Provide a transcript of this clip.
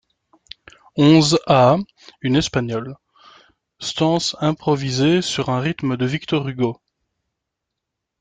onzeº A une Espagnole, stances improvisées sur un rythme de Victor Hugo.